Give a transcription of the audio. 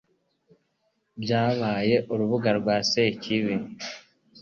byabaye urubuga rwa sekibi